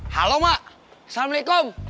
halo mak assalamualaikum